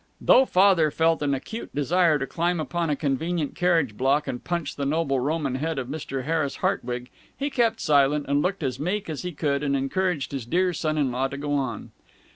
Though Father felt an acute desire to climb upon a convenient carriage block and punch the noble Roman head of Mr. Harris Hartwig, he kept silent and looked as meek as he could and encouraged his dear son in law to go on.